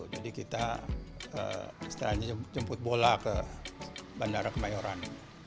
jadi kita setelahnya jemput bola ke bandara kemayoran